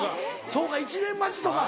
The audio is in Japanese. そうか１年待ちとか